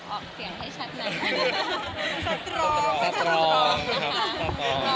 ออกเสียงให้ชัดหน่อยค่ะ